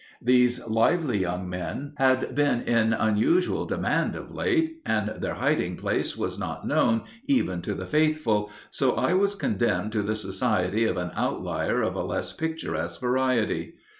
These lively young men had been in unusual demand of late, and their hiding place was not known even to the faithful, so I was condemned to the society of an outlier of a less picturesque variety.